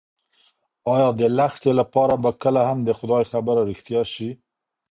ایا د لښتې لپاره به کله هم د خدای خبره رښتیا شي؟